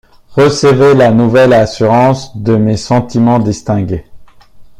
Recevez la nouvelle assurance de mes sentiments distingués.